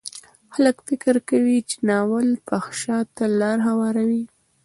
خلک فکر کوي چې ناول فحشا ته لار هواروي.